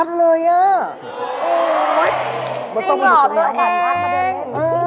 จริงหรอตัวเอง